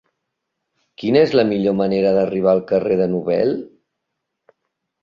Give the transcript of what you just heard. Quina és la millor manera d'arribar al carrer de Nobel?